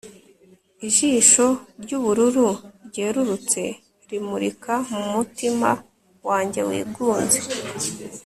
Ijisho ryubururu ryerurutse rimurika mu mutima wanjye wigunze